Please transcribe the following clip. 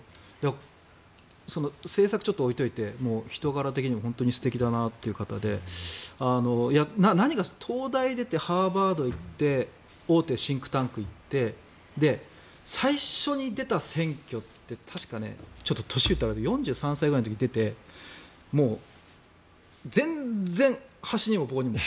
政策は置いておいて人柄的にも素敵だなという方で東大を出てハーバードに行って大手シンクタンクに行って最初に出た選挙って確か年言ったらあれだけど４３歳くらいの時に出て全然、箸にも棒にも。